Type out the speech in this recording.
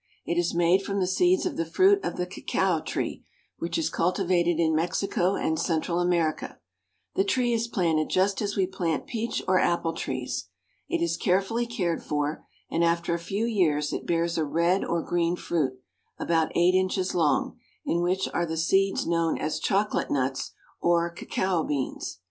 It is made from the seeds of the fruit of the cacao tree, which is cultivated in Mexico and Central America. The tree is planted just as we plant peach or apple trees. It is carefully cared for, and after a few years it bears a red or green fruit, about eight inches long, in which are the seeds known as chocolate nuts or cacao beans.